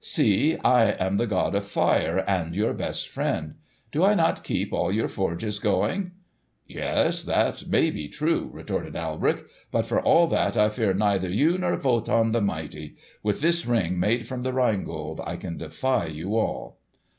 "See, I am the god of fire, and your best friend. Do I not keep all your forges going?" "Yes, that may be true," retorted Alberich. "But for all that I fear neither you nor Wotan the mighty. With this Ring made from the Rhine Gold I can defy you all."